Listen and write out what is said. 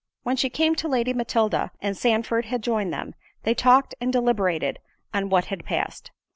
When she came to Lady Matilda, and Sandford had joined them, they talked and deliberated on what had passed.